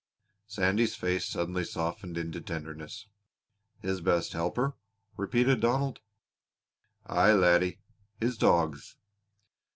Sandy's face suddenly softened into tenderness. "His best helper?" repeated Donald. "Aye, laddie! His dogs!"